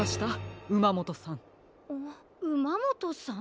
ウマモトさん？